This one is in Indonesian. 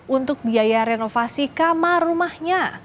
untuk biaya renovasi kamar rumahnya